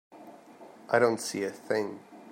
I don't see a thing.